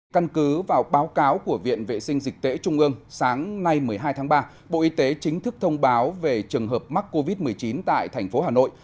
căn cứ vào báo cáo của viện vệ sinh dịch tễ trung ương sáng nay một mươi hai tháng ba bộ y tế chính thức thông báo về trường hợp mắc covid một mươi chín tại thành phố hà nội